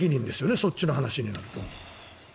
そっちの話になると。